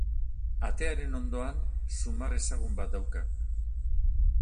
Atearen ondoan, zumar ezagun bat dauka.